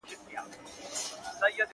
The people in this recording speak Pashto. اغزى د گل د رويه اوبېږي.